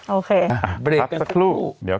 โอเค